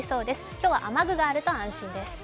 今日は雨具があると安心です。